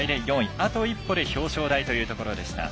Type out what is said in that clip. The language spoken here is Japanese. あと一歩で表彰台というところでした。